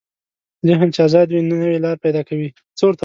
ذهن چې ازاد وي، نوې لارې پیدا کوي.